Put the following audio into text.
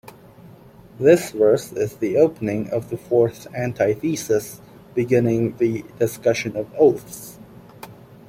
This verse is the opening of the fourth antithesis, beginning the discussion of oaths.